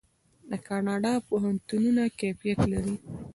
د کاناډا پوهنتونونه کیفیت لري.